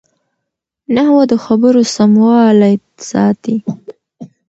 نحوه د خبرو سموالی ساتي.